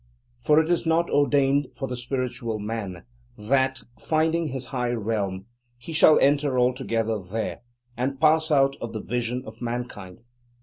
For it is not ordained for the Spiritual Man that, finding his high realm, he shall enter altogether there, and pass out of the vision of mankind.